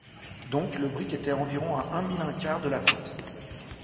Donc, le brick était environ à un mille un quart de la côte